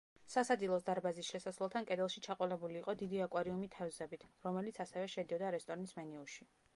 სასადილოს დარბაზის შესასვლელთან კედელში ჩაყოლებული იყო დიდი აკვარიუმი თევზებით, რომელიც ასევე შედიოდა რესტორნის მენიუში.